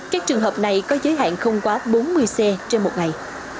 các trường hợp này có giới hạn không quá bốn mươi xe trên một ngày